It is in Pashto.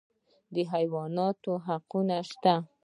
د حیواناتو حقونه شته